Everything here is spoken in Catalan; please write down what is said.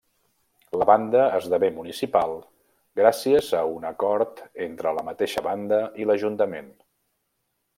La banda esdevé municipal gràcies a un acord entre la mateixa banda i l'Ajuntament.